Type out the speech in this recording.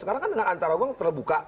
sekarang kan dengan antara uang terbuka